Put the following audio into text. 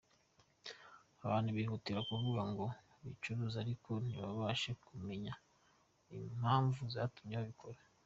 Abantu bihutira kuvuga ko bicuruza ariko ntibashake kumenya impamvu yatumye babikora.